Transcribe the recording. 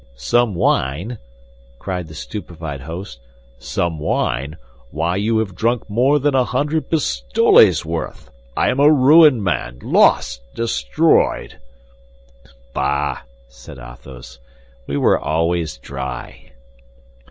"Some wine!" cried the stupefied host, "some wine? Why you have drunk more than a hundred pistoles' worth! I am a ruined man, lost, destroyed!" "Bah," said Athos, "we were always dry."